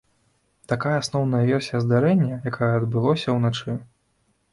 Такая асноўная версія здарэння, якое адбылося ўначы.